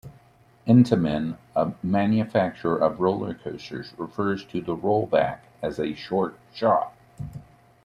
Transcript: Intamin, a manufacturer of roller-coasters, refers to the "rollback" as a "short shot".